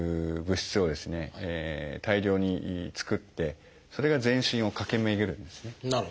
大量に作ってそれが全身を駆け巡るんですね。